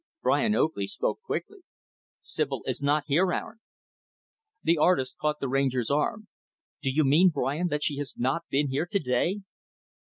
Brian Oakley spoke quickly; "Sibyl is not here, Aaron." The artist caught the Ranger's arm. "Do you mean, Brian, that she has not been here to day?"